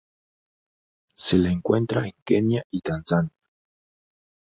Se la encuentra en Kenia y Tanzania.